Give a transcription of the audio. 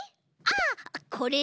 ああこれ？